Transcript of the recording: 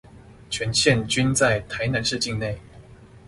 全線均在台南市境內